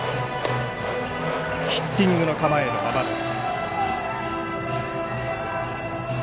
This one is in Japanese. ヒッティングの構えのままです。